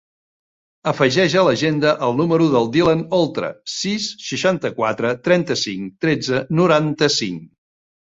Afegeix a l'agenda el número del Dylan Oltra: sis, seixanta-quatre, trenta-cinc, tretze, noranta-cinc.